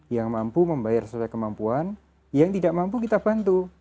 yang mampu membayar sesuai kemampuan yang tidak mampu kita bantu